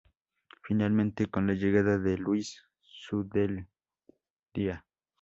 Finalmente con la llegada de Luis Zubeldía.